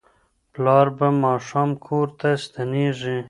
پلار به ماښام کور ته ستنیږي.